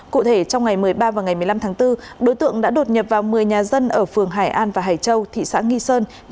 cụ thể trong ngày một mươi ba và ngày một mươi năm tháng bốn đối tượng đã đột nhập vào một mươi nhà dân ở phường hải an và hải châu thị xã nghi sơn